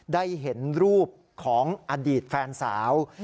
ได้เห็นรูปของอดีตแฟนสาว